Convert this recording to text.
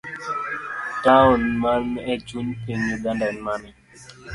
Taon ma en chuny piny Uganda en mane?